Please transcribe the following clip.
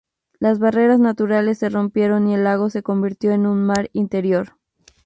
Las barreras naturales se rompieron y el lago se convirtió en un mar interior.